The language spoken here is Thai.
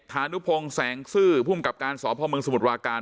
ธานุพงษ์แสงซื่อผู้อำกัดการสอบพ่อเมืองสมุทรปราการ